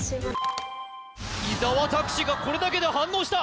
伊沢拓司がこれだけで反応した！